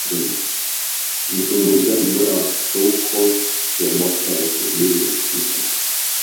Mtumbuizaji bora wa Soukous ya mwaka elfu mbili na tisa